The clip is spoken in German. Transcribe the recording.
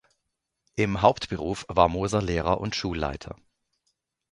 Im Hauptberuf war Moser Lehrer und Schulleiter.